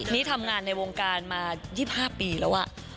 นี่ทำงานในวงการมา๒๕ปีแล้ว